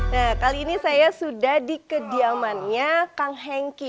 nah kali ini saya sudah di kediamannya kang henki